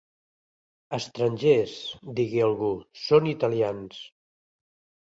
Estrangers - digué algú - Són italians